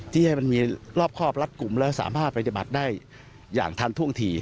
ที่ให้มันมีรอบครอบรัดกลุ่มและสามารถปฏิบัติได้อย่างทันท่วงที